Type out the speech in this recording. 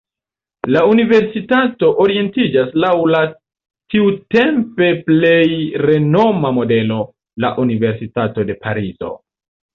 La universitato orientiĝis laŭ la tiutempe plej renoma modelo, la universitato de Parizo.